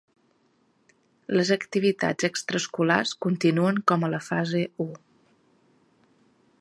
Les activitats extraescolars continuen com a la fase u.